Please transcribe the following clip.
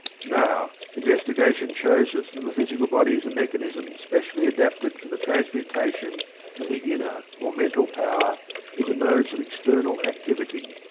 Now, investigation shows that the physical body, is a mechanism specially adapted for the transmutation of the inner or mental power into modes of external activity.